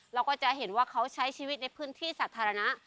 เราก็จะเห็นว่าเขาใช้ชีวิตในพื้นที่สาธารณะ